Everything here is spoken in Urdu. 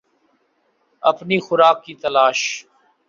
اپنی خوراک کی تلاش